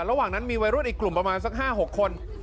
ระหว่างนั้นมีวัยรุ่นอีกกลุ่มประมาณสัก๕๖คน